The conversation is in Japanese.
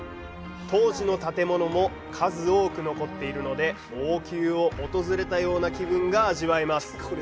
当時の建物も数多く残っているので王宮を訪れたような気分が味わえます。